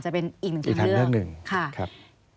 สวัสดีค่ะที่จอมฝันครับ